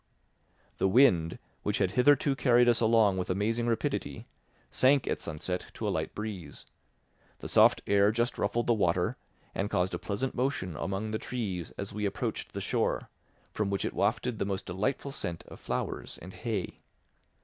The wind, which had hitherto carried us along with amazing rapidity, sank at sunset to a light breeze; the soft air just ruffled the water and caused a pleasant motion among the trees as we approached the shore, from which it wafted the most delightful scent of flowers and hay.